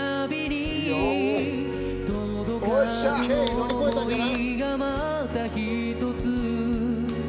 乗り越えたんじゃない。